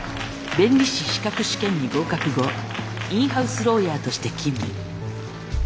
弁理士資格試験に合格後インハウスローヤーとして勤務。